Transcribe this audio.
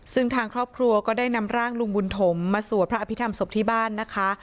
ซึ่งทางครอบครัวก็ได้นำร่างลุงบุญถมมาสวดพระอภิษฐรรมศพที่บ้านนะคะ